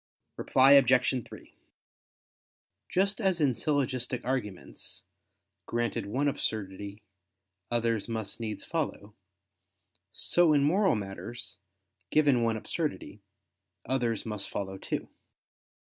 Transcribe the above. Reply Obj. 3: Just as in syllogistic arguments, granted one absurdity, others must needs follow; so in moral matters, given one absurdity, others must follow too.